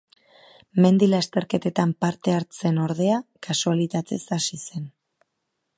Mendi lasterketetan parte hartzen ordea, kasualitatez hasi zen.